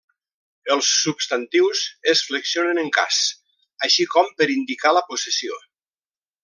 Els substantius es flexionen en cas, així com per indicar la possessió.